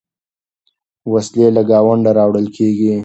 وسلې له ګاونډه راوړل کېږي.